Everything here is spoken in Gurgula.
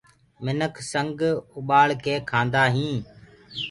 منک سنگ اُڀآݪ ڪي کآندآ هينٚ۔